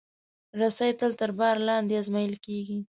رسۍ تل تر بار لاندې ازمېیل کېږي.